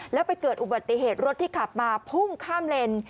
แล้วไปเกิดอุบัติเหตุรถที่ขับมาพุ่งข้ามเลน